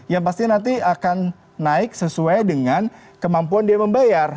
yang pasti nanti akan naik sesuai dengan kemampuan dia membayar